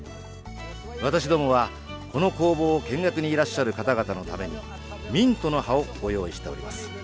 私どもはこの工房を見学にいらっしゃる方々のためにミントの葉をご用意しております。